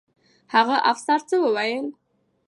هغه افسر څه وویل؟